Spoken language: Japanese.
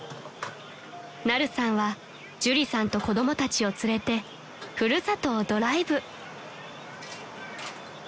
［ナルさんは朱里さんと子供たちを連れて古里をドライブ］